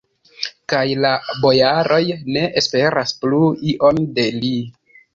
Kaj la bojaroj ne esperas plu ion de li.